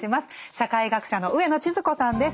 社会学者の上野千鶴子さんです。